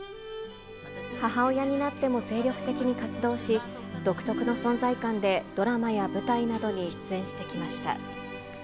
母親になっても精力的に活動し、独特の存在感でドラマや舞台などに出演してきました。